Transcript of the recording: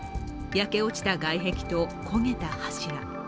焼け落ちた外壁と焦げた柱。